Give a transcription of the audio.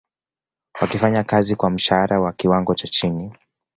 wakifanya kazi kwa mshahara wa kiwango cha chini